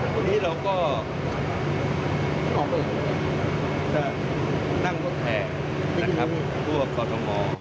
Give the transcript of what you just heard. วันนี้เราก็นั่งบนแผ่นะครับทั่วข้อต่อหมอ